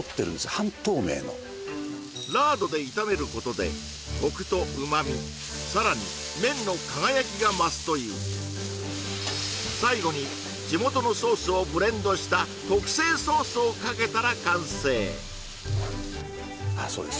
半透明のラードで炒めることでコクと旨味さらに麺の輝きが増すという最後に地元のソースをブレンドした特製ソースをかけたら完成そうです